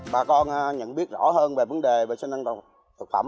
bà con nhận biết rõ hơn về vấn đề vệ sinh an toàn thực phẩm